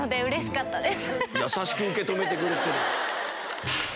優しく受け止めてくれてるわ。